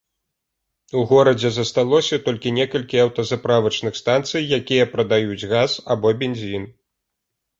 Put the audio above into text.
У горадзе засталося толькі некалькі аўтазаправачных станцый, якія прадаюць газ або бензін.